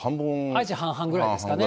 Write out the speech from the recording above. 愛知、半々ぐらいですかね。